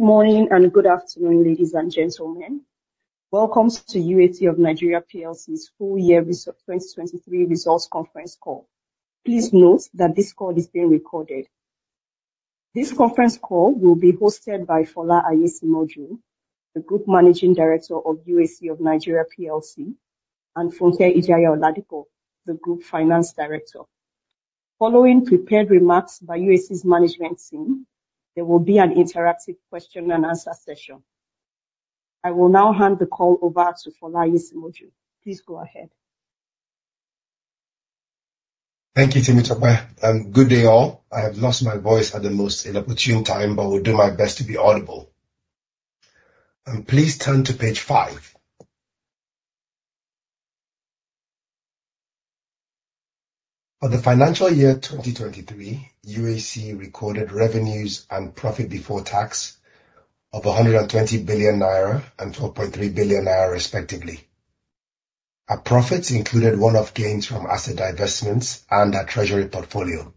Good morning and good afternoon, ladies and gentlemen. Welcome to UAC of Nigeria PLC's full year 2023 results conference call. Please note that this call is being recorded. This conference call will be hosted by Fola Aiyesimoju, the Group Managing Director of UAC of Nigeria PLC, and Funke Ijaiya-Oladipo, the Group Finance Director. Following prepared remarks by UAC's management team, there will be an interactive question and answer session. I will now hand the call over to Fola Aiyesimoju. Please go ahead. Thank you, Temitope. Good day all. I have lost my voice at the most inopportune time, but will do my best to be audible. Please turn to page five. For the financial year 2023, UAC recorded revenues and profit before tax of 120 billion naira and 12.3 billion naira respectively. Our profits included one-off gains from asset divestments and our treasury portfolio.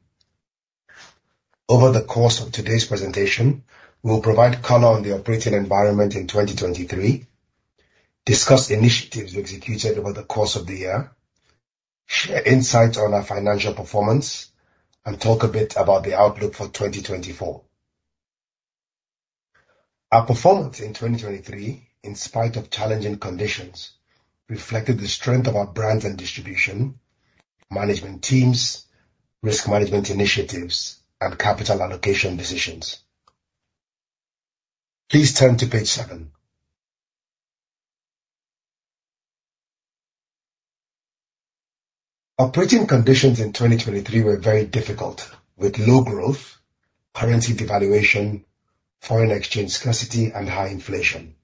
Over the course of today's presentation, we'll provide color on the operating environment in 2023, discuss initiatives we executed over the course of the year, share insight on our financial performance, and talk a bit about the outlook for 2024. Our performance in 2023, in spite of challenging conditions, reflected the strength of our brands and distribution, management teams, risk management initiatives, and capital allocation decisions. Please turn to page seven. Operating conditions in 2023 were very difficult, with low growth, currency devaluation, foreign exchange scarcity, and high inflation.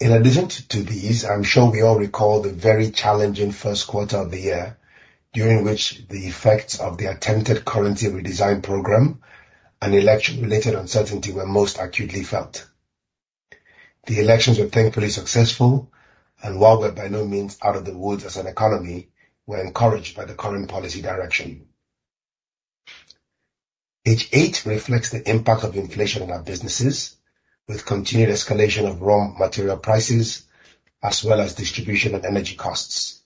In addition to these, I'm sure we all recall the very challenging first quarter of the year, during which the effects of the attempted currency redesign program and election-related uncertainty were most acutely felt. The elections were thankfully successful, and while we're by no means out of the woods as an economy, we're encouraged by the current policy direction. Page eight reflects the impact of inflation on our businesses with continued escalation of raw material prices, as well as distribution and energy costs.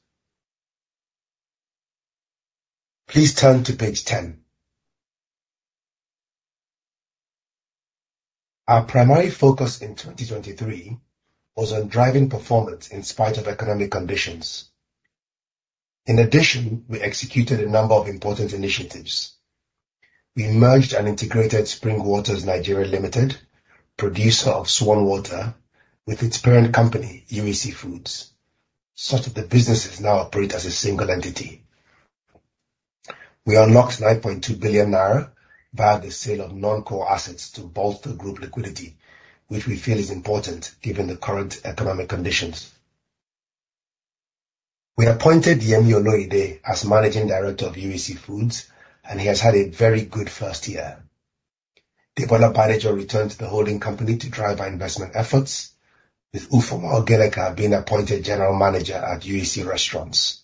Please turn to page 10. Our primary focus in 2023 was on driving performance in spite of economic conditions. In addition, we executed a number of important initiatives. We merged and integrated Spring Waters Nigeria Limited, producer of Swan Water, with its parent company, UAC Foods, such that the businesses now operate as a single entity. We unlocked 9.2 billion naira via the sale of non-core assets to bolster group liquidity, which we feel is important given the current economic conditions. We appointed Yemi Oloyede as Managing Director of UAC Foods, and he has had a very good first year. Debola Badejo returned to the holding company to drive our investment efforts, with Ufuoma Ogeleka being appointed General Manager at UAC Restaurants.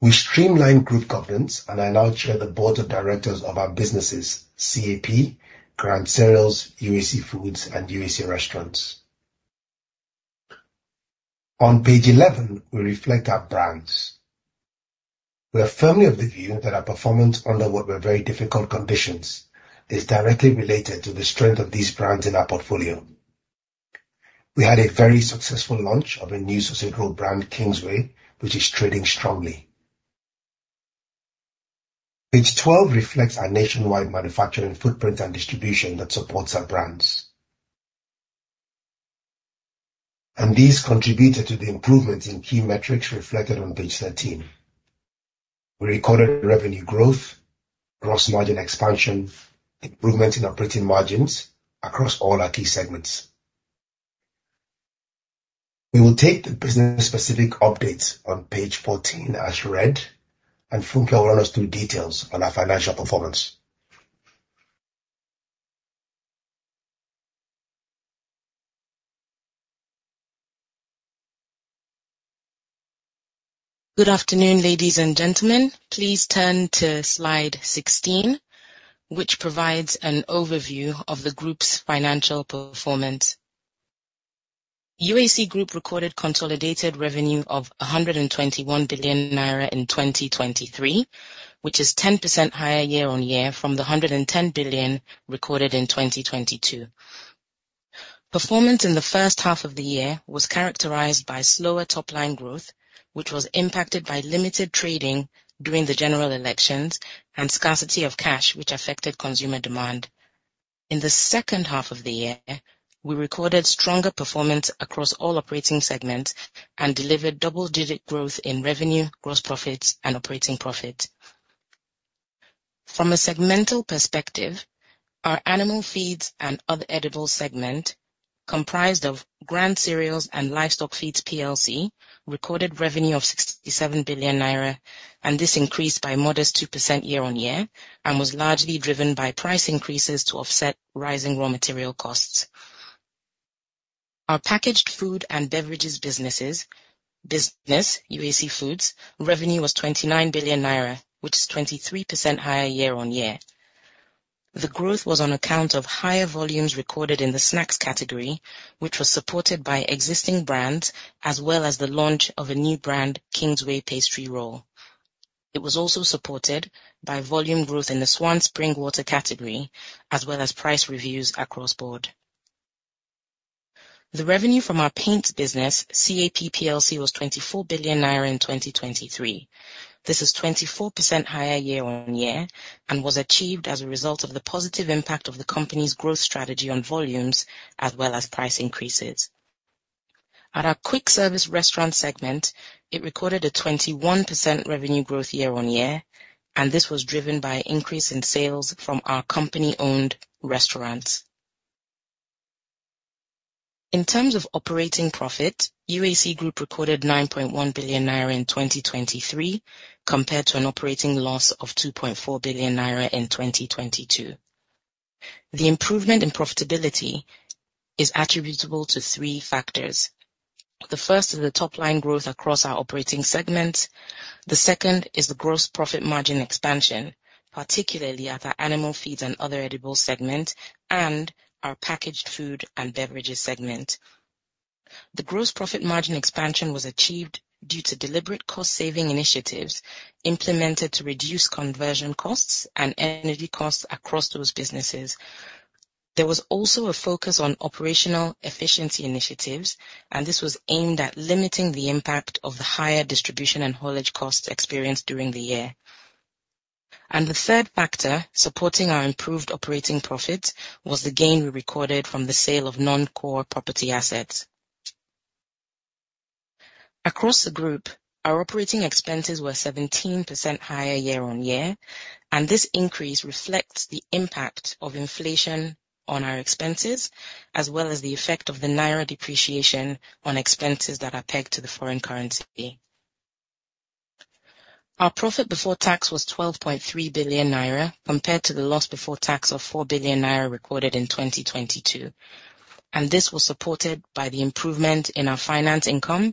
We streamlined group governance and I now chair the board of directors of our businesses, CAP, Grand Cereals, UAC Foods and UAC Restaurants. On page 11, we reflect our brands. We are firmly of the view that our performance under what were very difficult conditions is directly related to the strength of these brands in our portfolio. We had a very successful launch of a new subsidiary brand, Kingsway, which is trading strongly. Page 12 reflects our nationwide manufacturing footprint and distribution that supports our brands. These contributed to the improvements in key metrics reflected on page 13. We recorded revenue growth, gross margin expansion, improvement in operating margins across all our key segments. We will take the business specific updates on page 14 as read, and Funke will run us through details on our financial performance. Good afternoon, ladies and gentlemen. Please turn to slide 16, which provides an overview of the group's financial performance. UAC Group recorded consolidated revenue of 121 billion naira in 2023, which is 10% higher year-on-year from the 110 billion recorded in 2022. Performance in the first half of the year was characterized by slower top-line growth, which was impacted by limited trading during the general elections and scarcity of cash, which affected consumer demand. In the second half of the year, we recorded stronger performance across all operating segments and delivered double-digit growth in revenue, gross profit and operating profit. From a segmental perspective, our Animal Feeds and Other Edible Segment, comprised of Grand Cereals and Livestock Feeds PLC, recorded revenue of 67 billion naira, and this increased by modest 2% year-on-year and was largely driven by price increases to offset rising raw material costs. Our Packaged Food and Beverages Business, UAC Foods, revenue was 29 billion naira, which is 23% higher year-on-year. The growth was on account of higher volumes recorded in the snacks category, which was supported by existing brands as well as the launch of a new brand, Kingsway Pastry Roll. It was also supported by volume growth in the Swan Natural Spring Water category, as well as price reviews across board. The revenue from our paints business, CAP Plc, was 24 billion naira in 2023. This is 24% higher year-on-year and was achieved as a result of the positive impact of the company's growth strategy on volumes, as well as price increases. At our Quick Service Restaurant Segment, it recorded a 21% revenue growth year-on-year, and this was driven by increase in sales from our company-owned restaurants. In terms of operating profit, UAC Group recorded 9.1 billion naira in 2023, compared to an operating loss of 2.4 billion naira in 2022. The improvement in profitability is attributable to three factors. The first is the top-line growth across our operating segments. The second is the gross profit margin expansion, particularly at our Animal Feeds and Other Edible Segment and our Packaged Food and Beverages Segment. The gross profit margin expansion was achieved due to deliberate cost-saving initiatives implemented to reduce conversion costs and energy costs across those businesses. There was also a focus on operational efficiency initiatives, and this was aimed at limiting the impact of the higher distribution and haulage costs experienced during the year. The third factor supporting our improved operating profit was the gain we recorded from the sale of non-core property assets. Across the group, our operating expenses were 17% higher year-over-year. This increase reflects the impact of inflation on our expenses, as well as the effect of the naira depreciation on expenses that are pegged to the foreign currency. Our profit before tax was 12.3 billion naira, compared to the loss before tax of 4 billion naira recorded in 2022. This was supported by the improvement in our finance income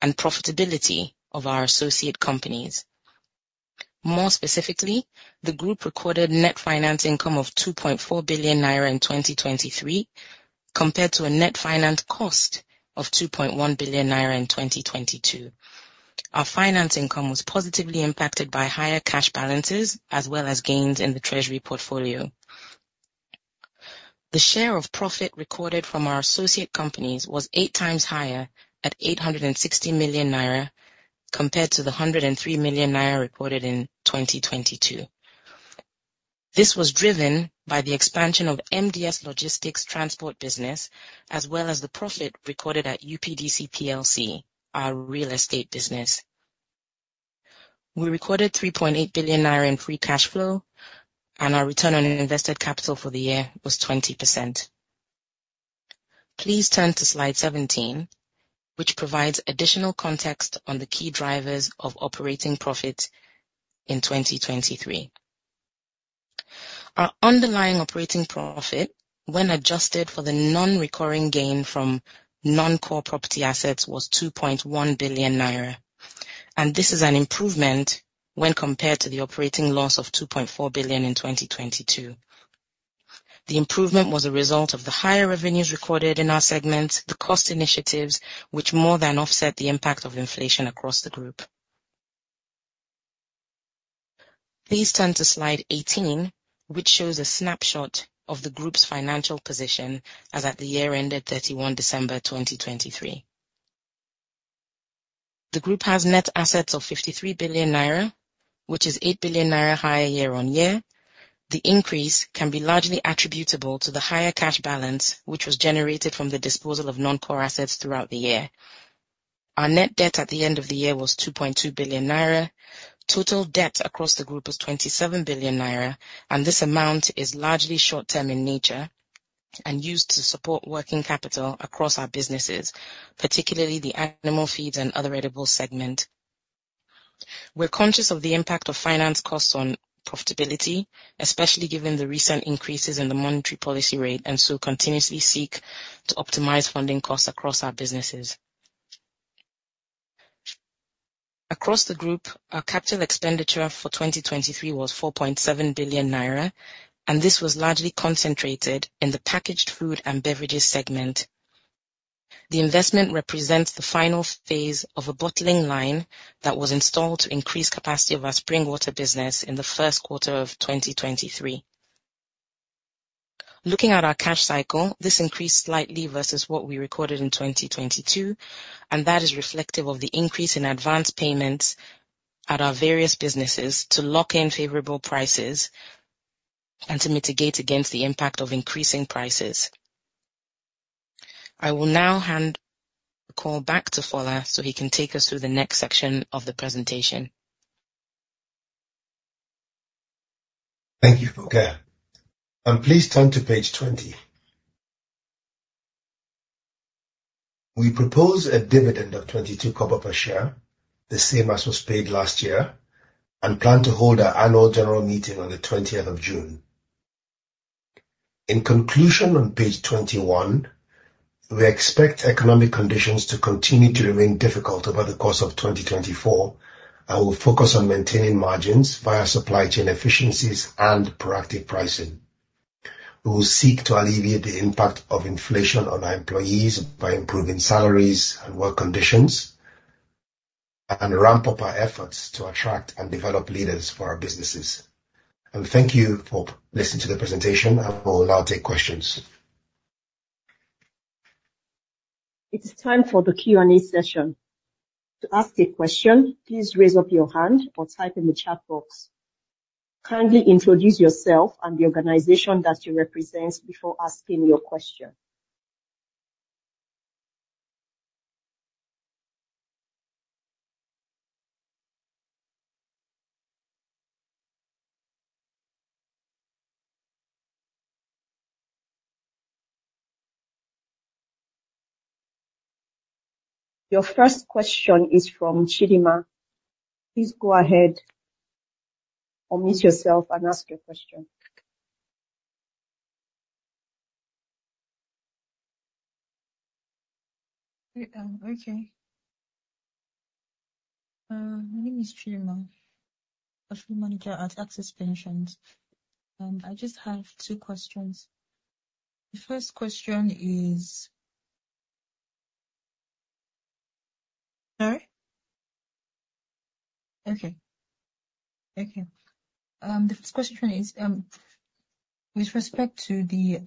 and profitability of our associate companies. More specifically, the group recorded net finance income of 2.4 billion naira in 2023, compared to a net finance cost of 2.1 billion naira in 2022. Our finance income was positively impacted by higher cash balances as well as gains in the treasury portfolio. The share of profit recorded from our associate companies was eight times higher at 860 million naira compared to the 103 million naira recorded in 2022. This was driven by the expansion of MDS Logistics transport business as well as the profit recorded at UPDC Plc, our real estate business. We recorded 3.8 billion naira in free cash flow, and our return on invested capital for the year was 20%. Please turn to slide 17, which provides additional context on the key drivers of operating profit in 2023. Our underlying operating profit, when adjusted for the non-recurring gain from non-core property assets, was 2.1 billion naira. This is an improvement when compared to the operating loss of 2.4 billion in 2022. The improvement was a result of the higher revenues recorded in our segments, the cost initiatives, which more than offset the impact of inflation across the group. Please turn to slide 18, which shows a snapshot of the group's financial position as at the year ended 31 December 2023. The group has net assets of 53 billion naira, which is 8 billion naira higher year-over-year. The increase can be largely attributable to the higher cash balance, which was generated from the disposal of non-core assets throughout the year. Our net debt at the end of the year was 2.2 billion naira. Total debt across the group was 27 billion naira. This amount is largely short-term in nature and used to support working capital across our businesses, particularly the animal feeds and other edible segment. We're conscious of the impact of finance costs on profitability, especially given the recent increases in the monetary policy rate. Continuously seek to optimize funding costs across our businesses. Across the group, our capital expenditure for 2023 was 4.7 billion naira. This was largely concentrated in the packaged food and beverages segment. The investment represents the final phase of a bottling line that was installed to increase capacity of our spring water business in the first quarter of 2023. Looking at our cash cycle, this increased slightly versus what we recorded in 2022. That is reflective of the increase in advance payments at our various businesses to lock in favorable prices and to mitigate against the impact of increasing prices. I will now hand the call back to Fola so he can take us through the next section of the presentation. Thank you, Funke. Please turn to page 20. We propose a dividend of 0.22 per share, the same as was paid last year, and plan to hold our annual general meeting on the 20th of June. In conclusion, on page 21, we expect economic conditions to continue to remain difficult over the course of 2024, and we'll focus on maintaining margins via supply chain efficiencies and proactive pricing. We will seek to alleviate the impact of inflation on our employees by improving salaries and work conditions, and ramp up our efforts to attract and develop leaders for our businesses. Thank you for listening to the presentation. I will now take questions. It is time for the Q&A session. To ask a question, please raise up your hand or type in the chat box. Kindly introduce yourself and the organization that you represent before asking your question. Your first question is from Chidima. Please go ahead, unmute yourself and ask your question. Okay. My name is Chidima. I'm a fund manager at Access Pensions, and I just have two questions. Sorry? Okay. Thank you. The first question is, with respect to the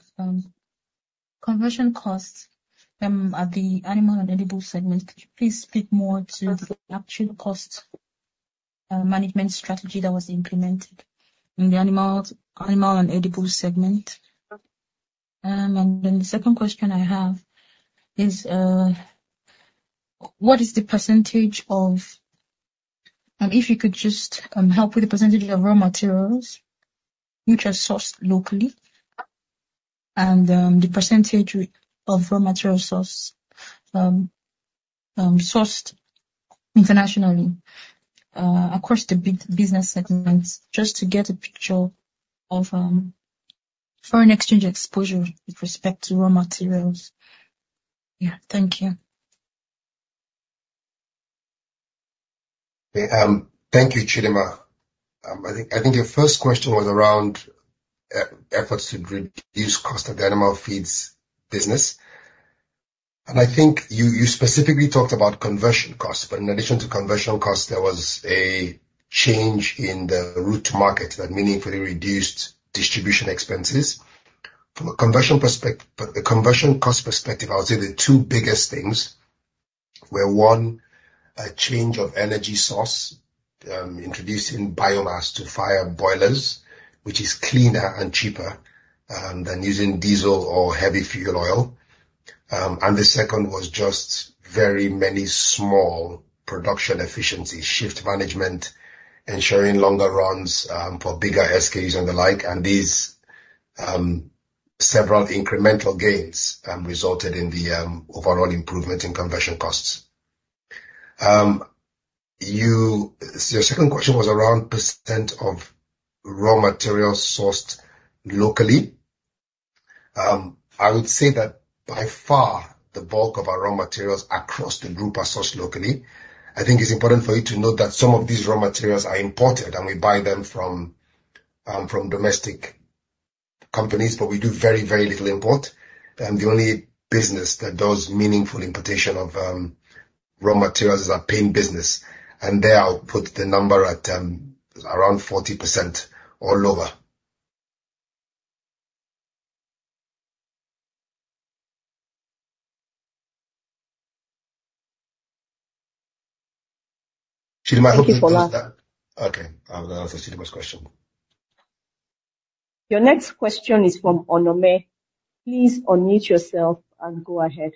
conversion costs at the animal and edible segment, could you please speak more to the actual cost management strategy that was implemented in the animal and edible segment? The second question I have is, if you could just help with the percentage of raw materials which are sourced locally and the percentage of raw materials sourced internationally across the big business segments, just to get a picture of foreign exchange exposure with respect to raw materials. Yeah. Thank you. Thank you, Chidima. I think your first question was around efforts to reduce cost of the animal feeds business. I think you specifically talked about conversion costs. In addition to conversion costs, there was a change in the route to market that meaningfully reduced distribution expenses. From a conversion cost perspective, I would say the two biggest things were, one, a change of energy source, introducing biomass to fire boilers, which is cleaner and cheaper than using diesel or heavy fuel oil. The second was just very many small production efficiency shift management, ensuring longer runs for bigger SKUs and the like. These several incremental gains resulted in the overall improvement in conversion costs. Your second question was around % of raw materials sourced locally. I would say that by far, the bulk of our raw materials across the group are sourced locally. I think it's important for you to note that some of these raw materials are imported and we buy them from domestic companies, but we do very little import. The only business that does meaningful importation of raw materials is our paint business. There I'll put the number at around 40% or lower. Chidima, I hope. Thank you for that. Okay. I've answered Chidima's question. Your next question is from Onome. Please unmute yourself and go ahead.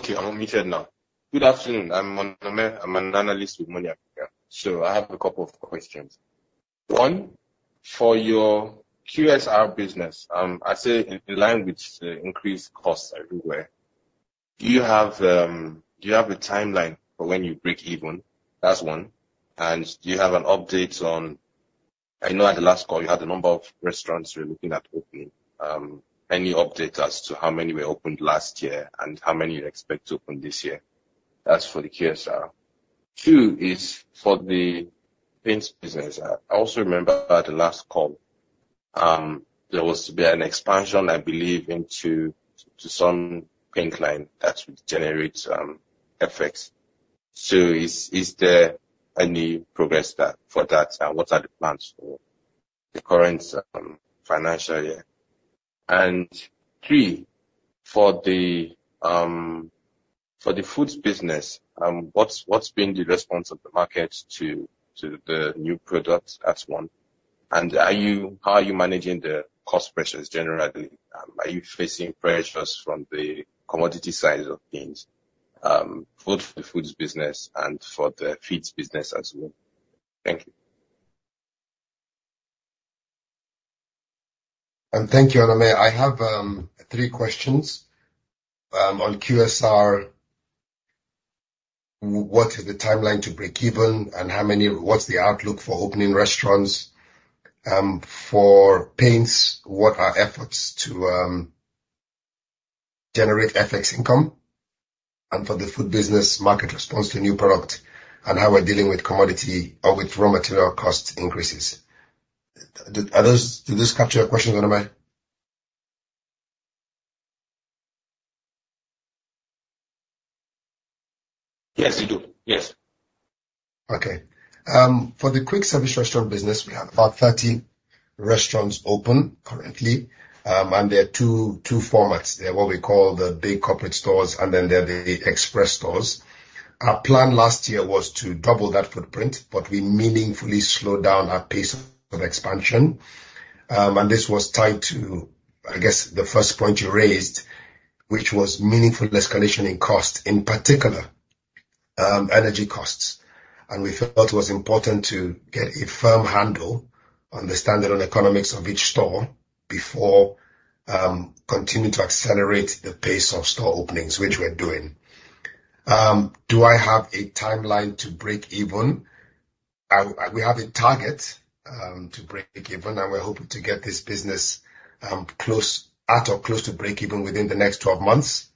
Okay. I'm unmuted now. Good afternoon. I'm Onome, I'm an analyst with Money Africa. I have a couple of questions. One, for your QSR business, I say in line with increased costs everywhere, do you have a timeline for when you break even? That's one. Do you have an update? I know at the last call you had a number of restaurants you were looking at opening. Any update as to how many were opened last year and how many you expect to open this year? That's for the QSR. Two is for the paints business. I also remember at the last call, there was to be an expansion, I believe, into some paint line that would generate FX. Is there any progress for that? What are the plans for the current financial year? Three, for the foods business, what's been the response of the market to the new product? That's one. How are you managing the cost pressures generally? Are you facing pressures from the commodity side of things? Both for the foods business and for the feeds business as well. Thank you. Thank you, Onome. I have three questions. On QSR, what is the timeline to break even, and what's the outlook for opening restaurants? For paints, what are efforts to generate FX income? For the food business, market response to new product, and how we're dealing with commodity or with raw material cost increases. Do these capture your questions, Onome? Yes, they do. Yes. Okay. For the quick service restaurant business, we have about 30 restaurants open currently. There are two formats. There are what we call the big corporate stores, there are the express stores. Our plan last year was to double that footprint, we meaningfully slowed down our pace of expansion. This was tied to, I guess, the first point you raised, which was meaningful escalation in cost, in particular, energy costs. We felt it was important to get a firm handle on the standalone economics of each store before continuing to accelerate the pace of store openings, which we're doing. Do I have a timeline to break even? We have a target to break even, and we're hoping to get this business at or close to break even within the next 12 months.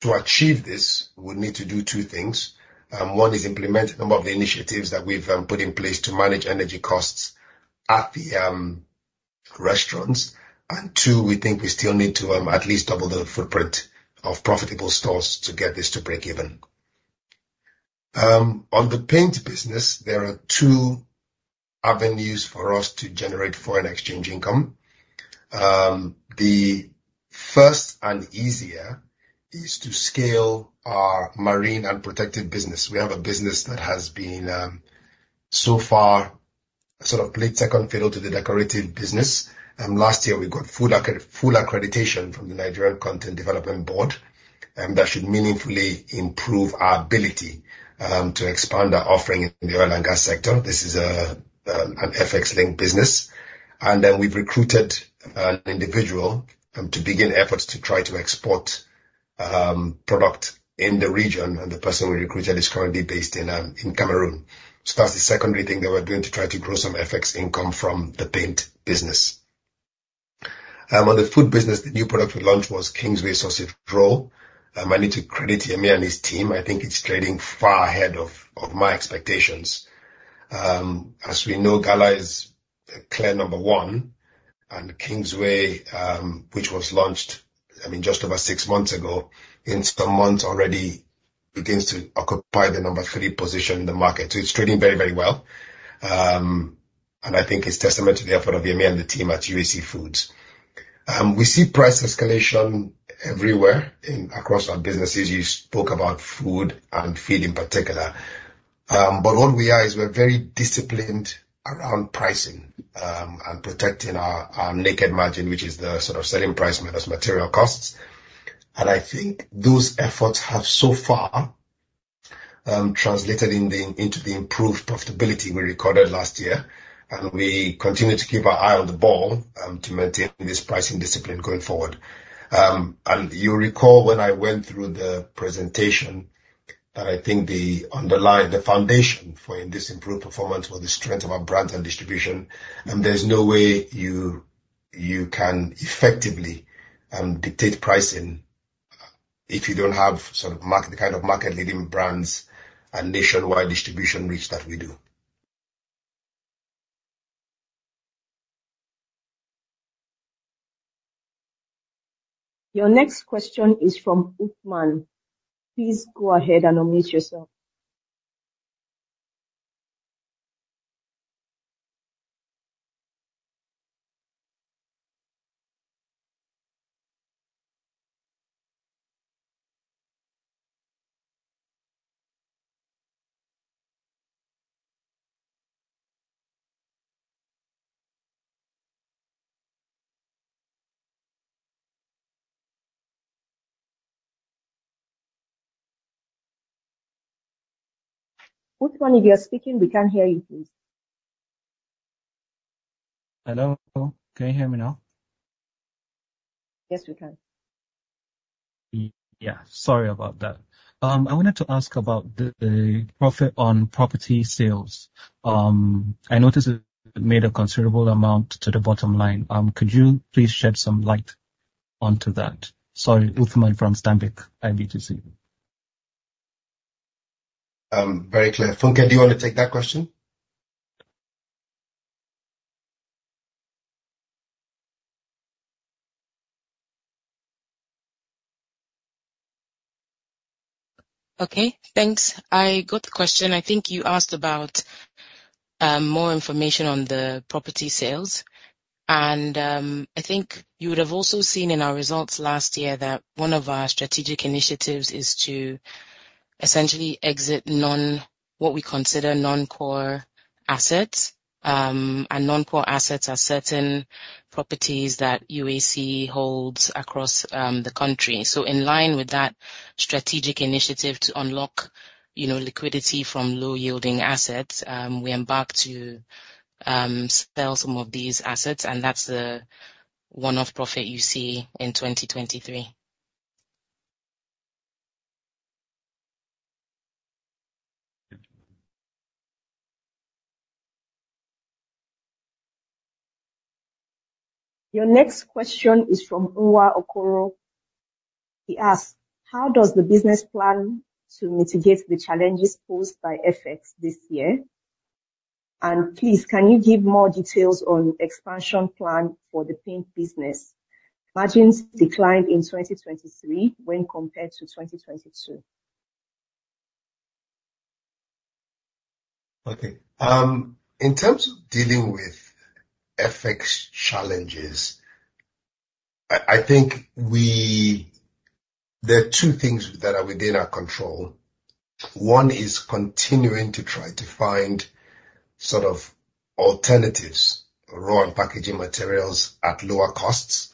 To achieve this, we'll need to do two things. One is implementing some of the initiatives that we've put in place to manage energy costs at the restaurants. Two, we think we still need to at least double the footprint of profitable stores to get this to break even. On the paint business, there are two avenues for us to generate foreign exchange income. The first and easier is to scale our marine and protected business. We have a business that has been, so far, sort of played second fiddle to the decorative business. Last year, we got full accreditation from the Nigerian Content Development Board, and that should meaningfully improve our ability to expand our offering in the oil and gas sector. This is an FX-linked business. We've recruited an individual to begin efforts to try to export product in the region, and the person we recruited is currently based in Cameroon. That's the secondary thing that we're doing to try to grow some FX income from the paint business. On the food business, the new product we launched was Kingsway Sausage Roll. I need to credit Yemi and his team. I think it's trading far ahead of my expectations. As we know, Gala is clear number 1 and Kingsway, which was launched just over six months ago, in some months already begins to occupy the number 3 position in the market. It's trading very well. I think it's testament to the effort of Yemi and the team at UAC Foods. We see price escalation everywhere across our businesses. You spoke about food and feed in particular. What we are is we're very disciplined around pricing and protecting our net margin, which is the sort of selling price minus material costs. I think those efforts have so far translated into the improved profitability we recorded last year, we continue to keep our eye on the ball to maintain this pricing discipline going forward. You recall when I went through the presentation that I think the foundation for this improved performance was the strength of our brand and distribution. There's no way you can effectively dictate pricing if you don't have the kind of market-leading brands and nationwide distribution reach that we do. Your next question is from Uthman. Please go ahead and unmute yourself. Uthman, if you are speaking, we can't hear you, please. Hello, can you hear me now? Yes, we can. Yeah. Sorry about that. I wanted to ask about the profit on property sales. I noticed it made a considerable amount to the bottom line. Could you please shed some light onto that? Sorry, Uthman from Stanbic IBTC. Very clear. Funke, do you want to take that question? Okay, thanks. I got the question. I think you asked about more information on the property sales. I think you would have also seen in our results last year that one of our strategic initiatives is to essentially exit what we consider non-core assets. Non-core assets are certain properties that UAC holds across the country. In line with that strategic initiative to unlock liquidity from low yielding assets, we embarked to sell some of these assets, and that's the one-off profit you see in 2023. Your next question is from Uwa Okoro. He asks, "How does the business plan to mitigate the challenges posed by FX this year? Please, can you give more details on expansion plan for the paint business? Margins declined in 2023 when compared to 2022. Okay. In terms of dealing with FX challenges, I think there are two things that are within our control. One is continuing to try to find alternatives, raw and packaging materials at lower costs.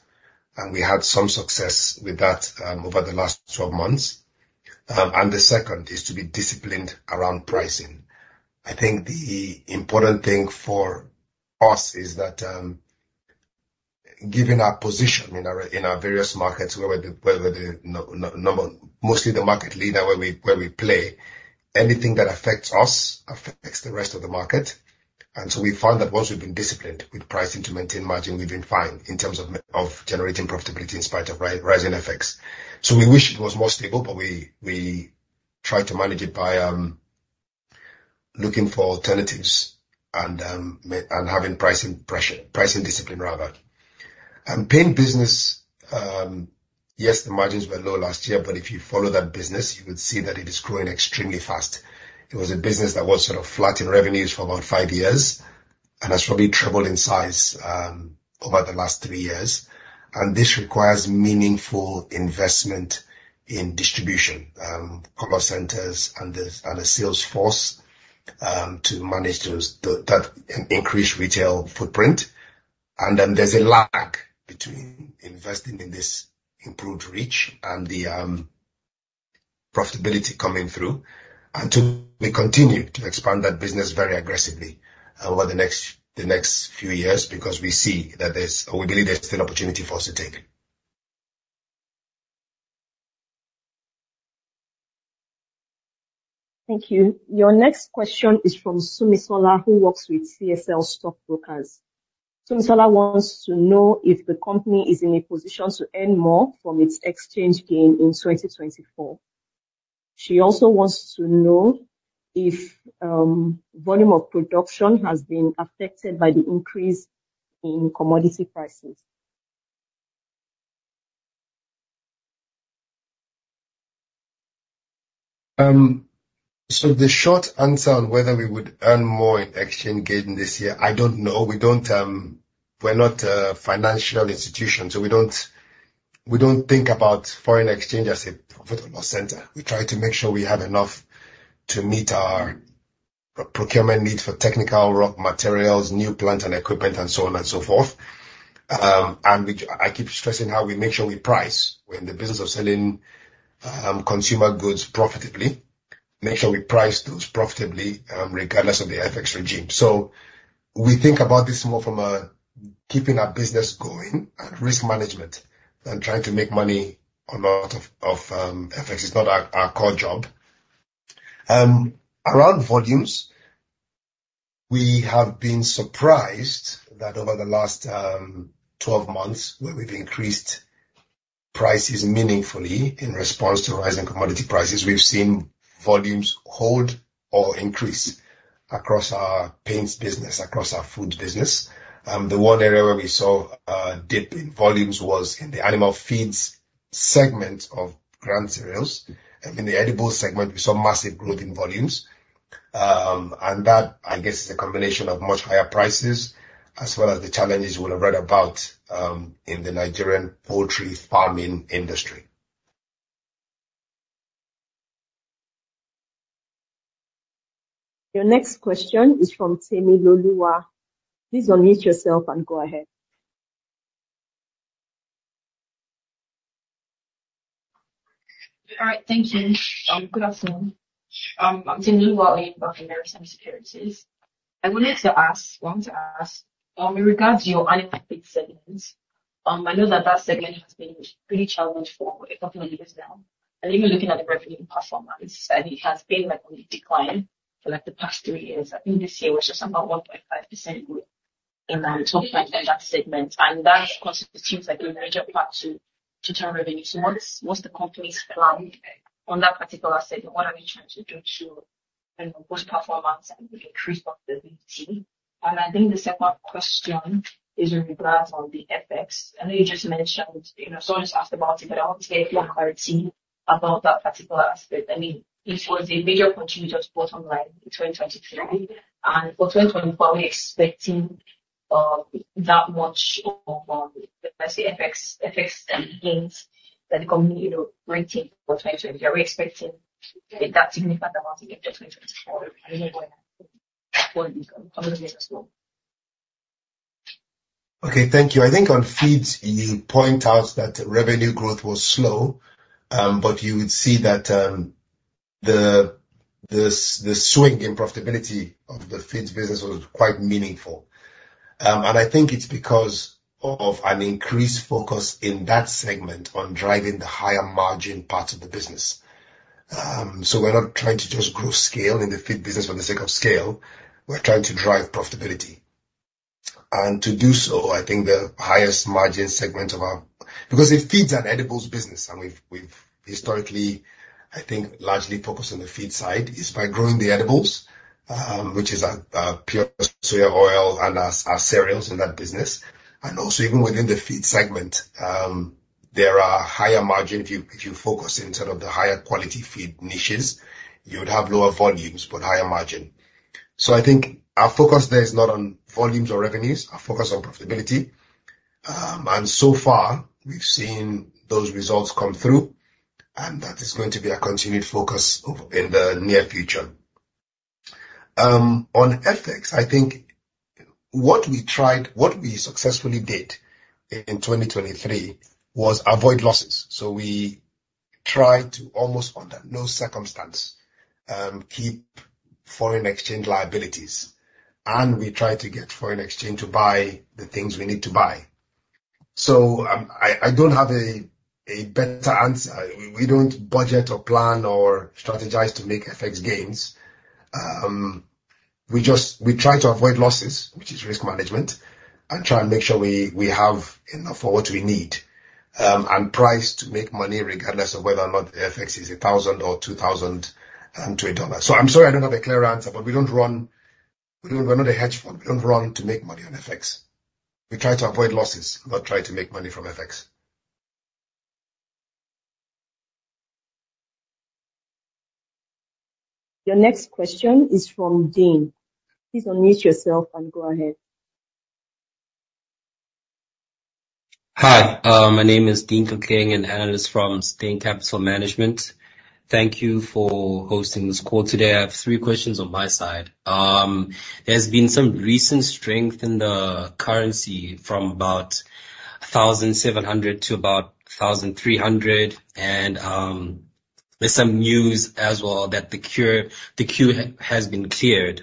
We had some success with that over the last 12 months. The second is to be disciplined around pricing. I think the important thing for us is that, given our position in our various markets, where we're mostly the market leader where we play, anything that affects us affects the rest of the market. We found that once we've been disciplined with pricing to maintain margin, we've been fine in terms of generating profitability in spite of rising FX. We wish it was more stable, but we try to manage it by looking for alternatives and having pricing discipline. Paint business, yes, the margins were low last year, but if you follow that business, you would see that it is growing extremely fast. It was a business that was sort of flat in revenues for about five years and has probably tripled in size over the last three years. This requires meaningful investment in distribution, color centers, and a sales force to manage that increased retail footprint. There's a lag between investing in this improved reach and the profitability coming through. Two, we continue to expand that business very aggressively over the next few years because we believe there's still opportunity for us to take. Thank you. Your next question is from Omosumisola, who works with CSL Stockbrokers. Omosumisola wants to know if the company is in a position to earn more from its exchange gain in 2024. She also wants to know if volume of production has been affected by the increase in commodity prices. The short answer on whether we would earn more in exchange gain this year, I don't know. We're not a financial institution, so we don't think about foreign exchange as a profit or center. We try to make sure we have enough to meet our procurement needs for technical raw materials, new plant and equipment, and so on and so forth. I keep stressing how we make sure we price. We're in the business of selling consumer goods profitably, make sure we price those profitably, regardless of the FX regime. We think about this more from a keeping our business going and risk management than trying to make money on or out of FX. It's not our core job. Around volumes, we have been surprised that over the last 12 months, where we've increased prices meaningfully in response to rising commodity prices, we've seen volumes hold or increase across our paints business, across our foods business. The one area where we saw a dip in volumes was in the animal feeds segment of Grand Cereals. In the edible segment, we saw massive growth in volumes. That, I guess, is a combination of much higher prices as well as the challenges you would have read about in the Nigerian poultry farming industry. Your next question is from Temiloluwa. Please unmute yourself and go ahead. All right. Thank you. Good afternoon. I'm Temiloluwa Adegboke with Meristem Securities. I wanted to ask, in regards to your animal feed segment, I know that that segment has been pretty challenged for a couple of years now. Even looking at the revenue performance, it has been on the decline for the past three years. I think this year was just about 1.5% growth in top line for that segment. That, of course, seems like a major part to total revenue. What's the company's plan on that particular segment? What are we trying to do to boost performance and increase profitability? I think the second question is in regards on the FX. I know you just mentioned, someone just asked about it, but I want to get more clarity about that particular aspect. It was a major contributor to bottom line in 2023. For 2024, are we expecting that much of, let's say, FX gains that the company will retain for 2020. Are we expecting that significant amount again for 2024? I don't know where you go. I'm going to guess no. Okay, thank you. I think on feeds, you point out that revenue growth was slow. You would see that the swing in profitability of the feeds business was quite meaningful. I think it's because of an increased focus in that segment on driving the higher margin parts of the business. We're not trying to just grow scale in the feed business for the sake of scale. We're trying to drive profitability. To do so, I think the highest margin segment of our-- because the feed's an edibles business, and we've historically, I think, largely focused on the feed side, is by growing the edibles, which is our pure soya oil and our cereals in that business. Also even within the feed segment, there are higher margin if you focus in sort of the higher quality feed niches, you would have lower volumes, but higher margin. I think our focus there is not on volumes or revenues, our focus is on profitability. So far, we've seen those results come through, and that is going to be our continued focus in the near future. On FX, I think what we successfully did in 2023 was avoid losses. We tried to almost under no circumstance, keep foreign exchange liabilities. We tried to get foreign exchange to buy the things we need to buy. I don't have a better answer. We don't budget or plan or strategize to make FX gains. We try to avoid losses, which is risk management, and try and make sure we have enough for what we need, and price to make money regardless of whether or not the FX is 1,000 or 2,000. I'm sorry I don't have a clear answer, but we're not a hedge fund. We don't run to make money on FX. We try to avoid losses, not try to make money from FX. Your next question is from Dean. Please unmute yourself and go ahead. Hi, my name is Dean Kokang, an analyst from Stanbic IBTC Capital Management. Thank you for hosting this call today. I have three questions on my side. There's been some recent strength in the currency from about 1,700 to about 1,300, and there's some news as well that the queue has been cleared.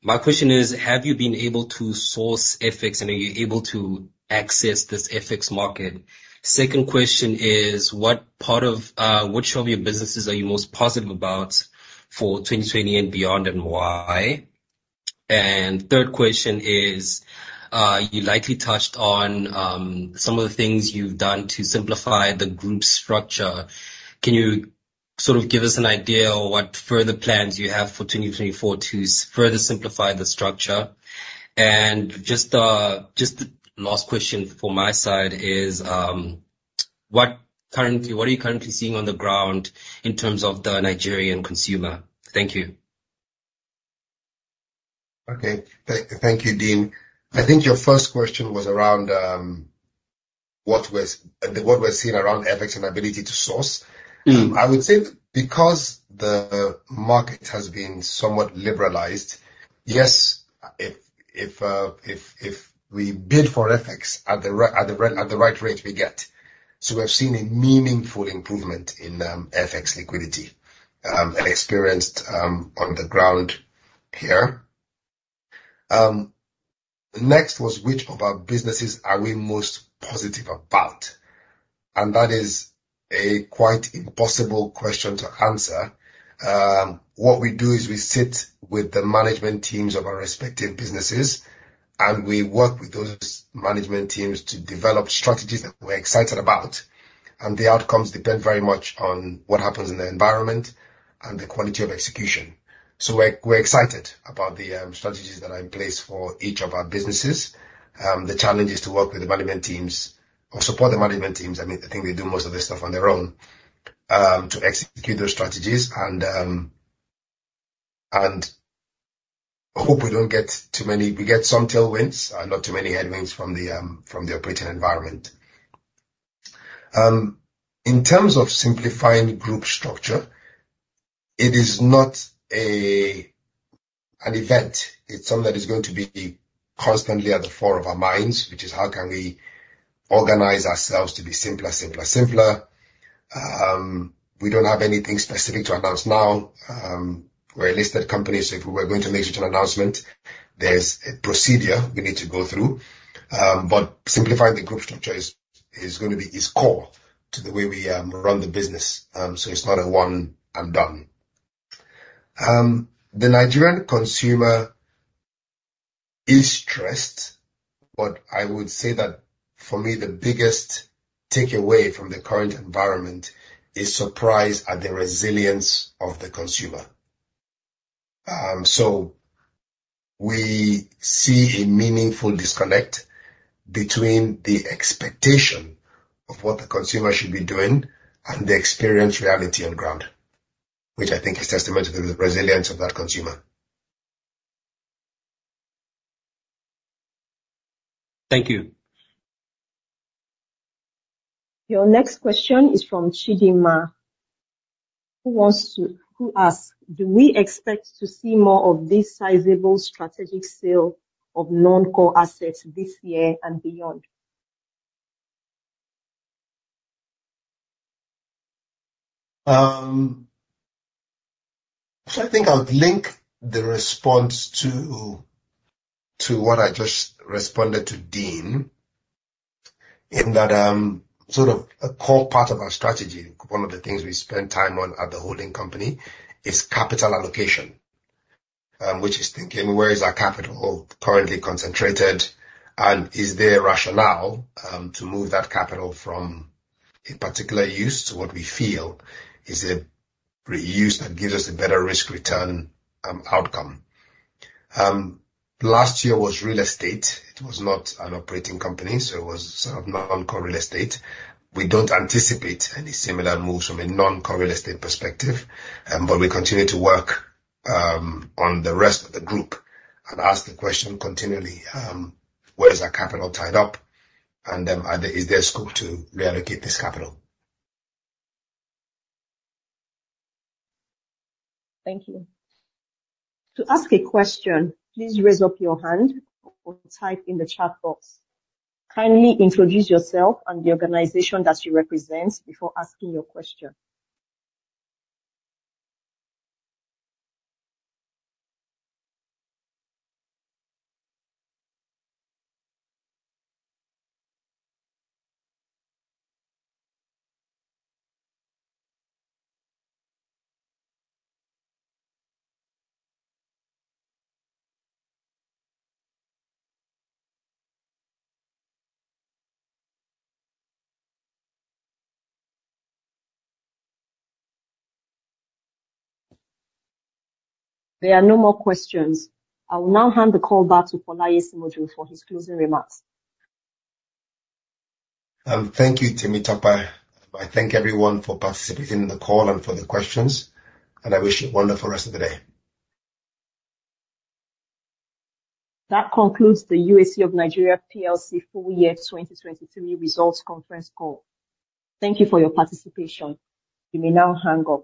My question is, have you been able to source FX and are you able to access this FX market? Second question is, which of your businesses are you most positive about for 2020 and beyond, and why? Third question is, you lightly touched on some of the things you've done to simplify the group structure. Can you sort of give us an idea on what further plans you have for 2024 to further simplify the structure? Just the last question from my side is, what are you currently seeing on the ground in terms of the Nigerian consumer? Thank you. Okay. Thank you, Dean. I think your first question was around, what we're seeing around FX and ability to source. I would say because the market has been somewhat liberalized, yes, if we bid for FX at the right rate, we get. We've seen a meaningful improvement in FX liquidity, experienced on the ground here. Next was which of our businesses are we most positive about? That is a quite impossible question to answer. What we do is we sit with the management teams of our respective businesses, we work with those management teams to develop strategies that we're excited about. The outcomes depend very much on what happens in the environment and the quality of execution. We're excited about the strategies that are in place for each of our businesses. The challenge is to work with the management teams or support the management teams, I think they do most of the stuff on their own, to execute those strategies and hope we get some tailwinds and not too many headwinds from the operating environment. In terms of simplifying group structure, it is not an event. It's something that is going to be constantly at the fore of our minds, which is how can we organize ourselves to be simpler. We don't have anything specific to announce now. We're a listed company, if we were going to make such an announcement, there's a procedure we need to go through. Simplifying the group structure is core to the way we run the business, it's not a one and done. The Nigerian consumer is stressed, I would say that for me, the biggest takeaway from the current environment is surprise at the resilience of the consumer. We see a meaningful disconnect between the expectation of what the consumer should be doing and the experience reality on ground. Which I think is testament to the resilience of that consumer. Thank you. Your next question is from Chidima, who asks, "Do we expect to see more of this sizable strategic sale of non-core assets this year and beyond? I think I would link the response to what I just responded to Dean, in that a core part of our strategy, one of the things we spend time on at the holding company, is capital allocation. Which is thinking, where is our capital currently concentrated? Is there a rationale to move that capital from a particular use to what we feel is a reuse that gives us a better risk return outcome. Last year was real estate. It was not an operating company, so it was non-core real estate. We don't anticipate any similar moves from a non-core real estate perspective. We continue to work on the rest of the group and ask the question continually, where is our capital tied up? Then, is there scope to reallocate this capital? Thank you. To ask a question, please raise up your hand or type in the chat box. Kindly introduce yourself and the organization that you represent before asking your question. There are no more questions. I will now hand the call back to Folasope Aiyesimoju for his closing remarks. Thank you, Temitope. I thank everyone for participating in the call and for the questions, and I wish you a wonderful rest of the day. That concludes the UAC of Nigeria PLC full year 2023 results conference call. Thank you for your participation. You may now hang up.